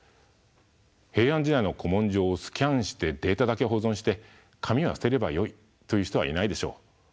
平安時代の古文書をスキャンしてデータだけ保存して紙は捨てればよいという人はいないでしょう。